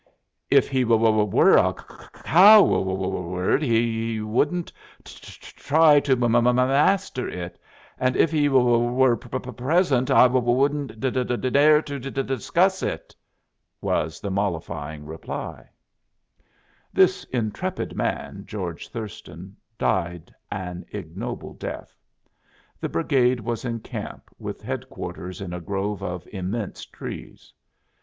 "If he w ere a cow wow ard h e w wouldn't t try to m m master it; and if he w ere p present I w wouldn't d d dare to d d discuss it," was the mollifying reply. This intrepid man, George Thurston, died an ignoble death. The brigade was in camp, with headquarters in a grove of immense trees.